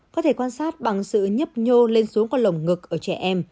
có thể quan sát bằng sự nhấp nhô lên xuống còn lồng ngực ở trẻ em